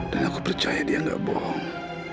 dan aku percaya dia gak bohong